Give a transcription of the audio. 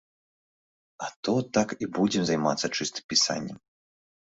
А то так і будзем займацца чыста пісаннем.